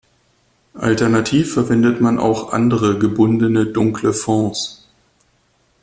Alternativ verwendet man auch andere gebundene dunkle Fonds.